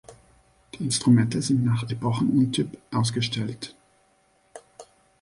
Die Instrumente sind nach Epochen und Typ ausgestellt.